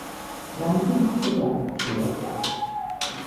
რამდენი ქულა აქვთ ჟირაფებს?